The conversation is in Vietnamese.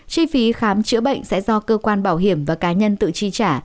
chi phí khám chữa bệnh sẽ do cơ quan bảo hiểm và cá nhân tự chi trả